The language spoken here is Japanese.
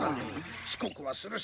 遅刻はするし。